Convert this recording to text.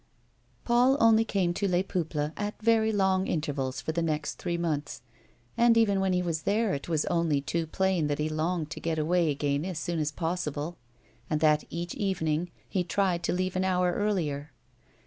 Paul only came to Les Peuples at very long intervals for the next three months, and even when he was there, it was only too plain that he longed to get away again as soon as possible, and that, each evening, he tried to leave an hour earlier.